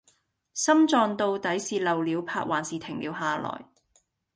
心臟到底是漏了拍還是停了下來